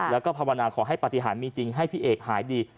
แล้วก็ภาวนาขอให้ปฏิหารมีจริงให้พี่เอกหายดี